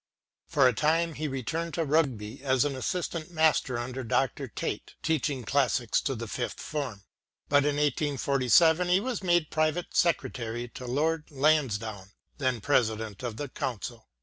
For a time he returned to Rugby as an assistant master under Dr. Tait, teaching classics to the MATTHEW ARNOLD 175 fifth form; but in 1847 he was made private secretary to Lord Lansdowne, then President of the Council.